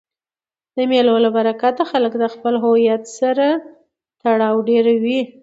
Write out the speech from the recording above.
د مېلو له برکته خلک د خپل هویت سره تړاو ډېروي.